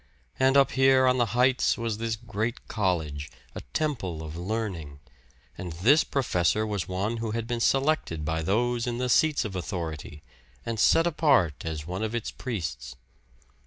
And up here on the heights was this great College, a temple of learning; and this professor was one who had been selected by those in the seats of authority, and set apart as one of its priests.